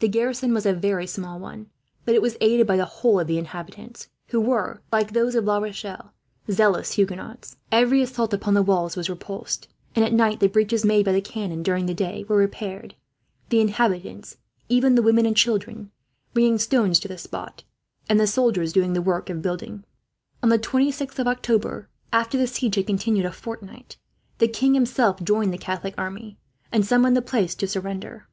The garrison was a very small one, but it was aided by the whole of the inhabitants; who were, like those of La Rochelle, zealous Huguenots. Every assault upon the walls was repulsed, and at night the breaches made by the cannon during the day were repaired; the inhabitants, even the women and children, bringing stones to the spot, and the soldiers doing the work of building. On the 26th of October, after the siege had continued for a fortnight, the king himself joined the Catholic army, and summoned the place to surrender.